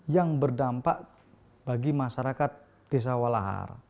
yang berdampak bagi masyarakat desa walahar